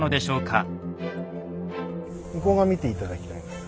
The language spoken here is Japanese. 向こう側見て頂きたいんです。